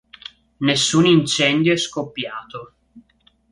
Nessun incendio è scoppiato.